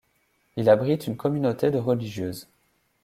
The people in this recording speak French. Il abrite une communauté de religieuses.